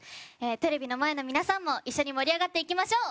テレビの前の皆さんも一緒に盛り上がっていきましょう。